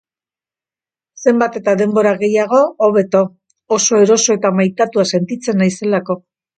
Zenbat eta denbora gehiago, hobeto, oso eroso eta maitatua sentitzen naizelako.